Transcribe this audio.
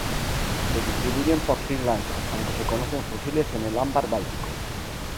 Se distribuyen por Sri Lanka, aunque se conocen fósiles en el ámbar báltico.